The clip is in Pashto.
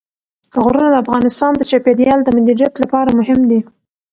غرونه د افغانستان د چاپیریال د مدیریت لپاره مهم دي.